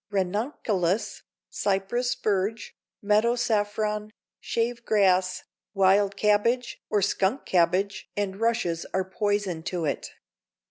Ranunculus, cypress spurge, meadow saffron, shave grass, wild cabbage or skunk cabbage and rushes are poison to it.